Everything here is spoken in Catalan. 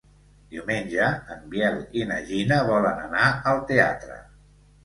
Diumenge en Biel i na Gina volen anar al teatre.